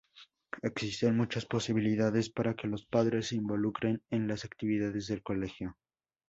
Existen muchas posibilidades para que los padres se involucren en las actividades del Colegio.